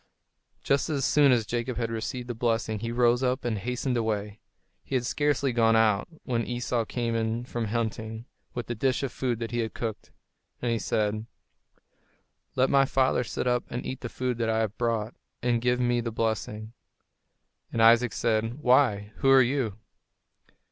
Just as soon as Jacob had received the blessing he rose up and hastened away. He had scarcely gone out, when Esau came in from hunting, with the dish of food that he had cooked. And he said: "Let my father sit up and eat the food that I have brought, and give me the blessing." And Isaac said, "Why, who are you?"